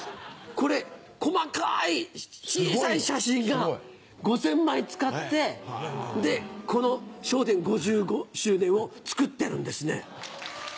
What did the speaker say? これ細かい小さい写真が５０００枚使ってでこの「笑点５５周年」を作ってるんですね。